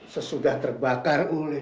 sesudah terbakar oleh